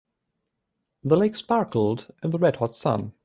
The lake sparkled in the red hot sun.